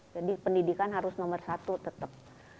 jadi pendidikan harus nomor satu tetap